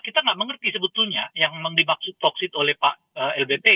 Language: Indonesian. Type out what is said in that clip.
kita nggak mengerti sebetulnya yang dimaksud toksit oleh pak lbt